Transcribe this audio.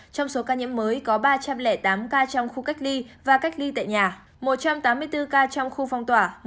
trong số ca nhiễm mới có ba trăm linh tám ca trong khu cách ly và cách ly tại nhà một trăm tám mươi bốn ca trong khu phong tỏa